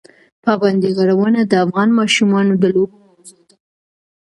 پابندی غرونه د افغان ماشومانو د لوبو موضوع ده.